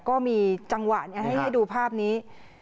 ก็มีจังหวะให้ดูภาพนี้